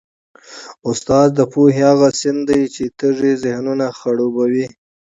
استاد د پوهې هغه سیند دی چي تږي ذهنونه خړوبوي.